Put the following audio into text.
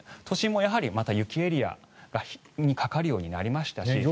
都心もやはりまた雪エリアにかかるようになりましたし。